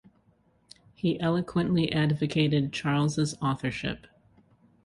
He eloquently advocated Charles's authorship.